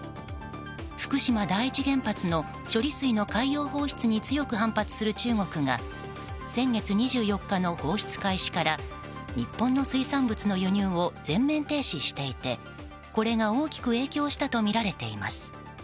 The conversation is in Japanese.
福島第一原発の処理水の海洋放出に強く反発する中国が先月２４日の放出開始から日本の水産物の輸入を全面停止していてこれが大きく影響したとみられています。